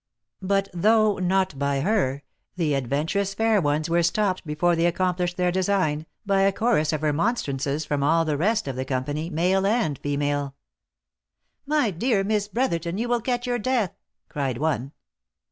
But, though not by her, the adventurous fair ones were stopped before they accomplished their design, by a chorus of re monstrances from all the rest of the company, male and female. " My dear Miss Brotherton, you will catch your death !" cried one.